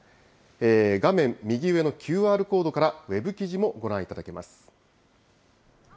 画面右上のＱＲコードからウェブ記事もご覧いただけます。